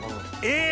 え！